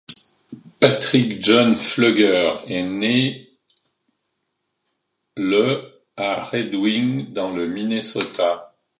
Patrick John Flueger est né le à Red Wing dans le Minnesota.